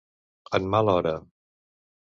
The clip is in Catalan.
En mala hora.